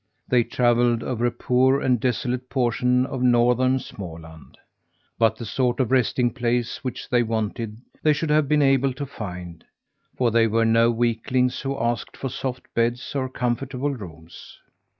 They travelled over a poor and desolate portion of northern Småland. But the sort of resting place which they wanted, they should have been able to find; for they were no weaklings who asked for soft beds or comfortable rooms.